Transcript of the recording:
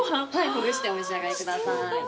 ほぐしてお召し上がりください。